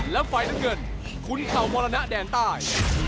และไฟด้านเงินคุ้นเข่ามรณะแดนใต้